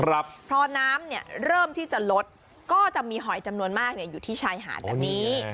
พอน้ำเนี่ยเริ่มที่จะลดก็จะมีหอยจำนวนมากเนี่ยอยู่ที่ชายหาดแบบนี้